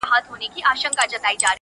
په سِن پوخ وو زمانې وو آزمېیلی؛